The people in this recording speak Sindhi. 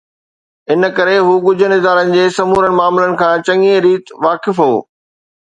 ان ڪري هو ڳجهن ادارن جي سمورن معاملن کان چڱيءَ ريت واقف هو